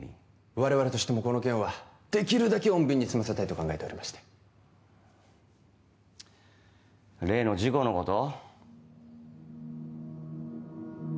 我々としてもこの件はできるだけ穏便に済ませたいと考えておりまして例の事故のこと？